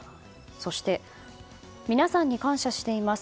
そして、皆さんに感謝しています。